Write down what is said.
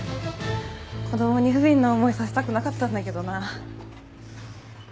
子供に不憫な思いさせたくなかったんだけどな。